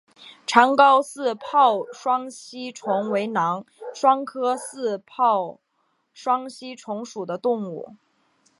长睾似泡双吸虫为囊双科似泡双吸虫属的动物。